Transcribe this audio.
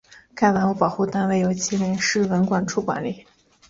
该文物保护单位由吉林市文管处管理。